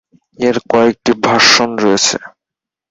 এর কয়েকটি ভার্সন রয়েছে।